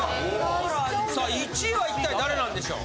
さあ１位は一体誰なんでしょう。